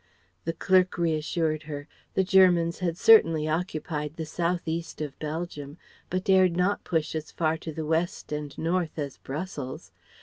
The clerk reassured her. The Germans had certainly occupied the south east of Belgium, but dared not push as far to the west and north as Brussels.